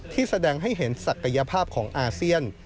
แสดงให้เห็นศักยภาพของอาเซียน